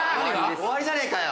終わりじゃねえかよ。